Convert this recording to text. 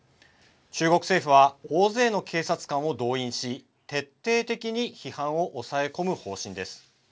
中国政府は大勢の警察官を動員し徹底的に批判を抑え込む方針です。